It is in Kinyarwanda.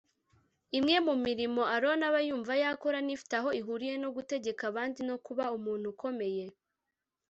Imwe mu mirimo Aaron aba yumva yakora ni ifite aho ihuriye no gutegeka abandi no kuba umuntu ukomeye